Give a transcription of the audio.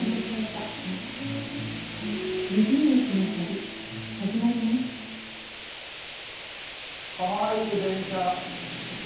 かわいい電車。